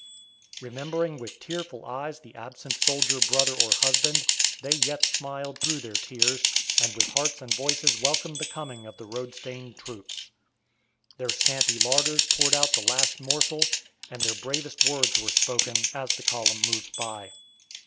Remembering with tearful eyes the absent soldier brother or husband, they yet smiled through their tears, and with hearts and voices welcomed the coming of the road stained troops. Their scanty larders poured out the last morsel, and their bravest words were spoken, as the column moved by.